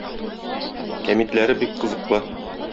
Кәмитләре бик кызыклы.